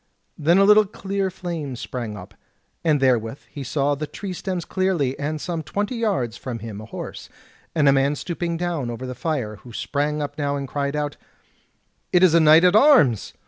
Then a little clear flame sprang up, and therewith he saw the tree stems clearly, and some twenty yards from him a horse, and a man stooping down over the fire, who sprang up now and cried out: "It is a knight at arms!